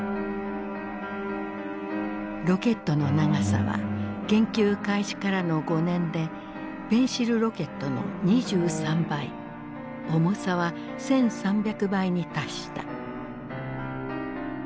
ロケットの長さは研究開始からの５年でペンシルロケットの２３倍重さは１，３００倍に達した。